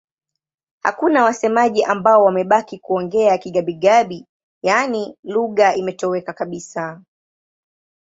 Hakuna wasemaji ambao wamebaki kuongea Kigabi-Gabi, yaani lugha imetoweka kabisa.